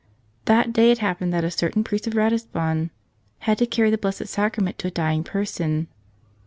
That day it happened that a certain priest of Ratisbon had to carry the Blessed Sacrament to a dying person.